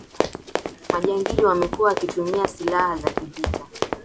Majangili wamekuwa wakitumia silaha za kivita